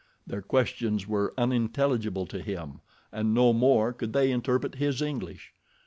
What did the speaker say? Their questions were unintelligible to him, and no more could they interpret his English.